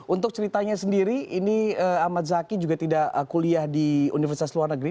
untuk ceritanya sendiri ini ahmad zaki juga tidak kuliah di universitas luar negeri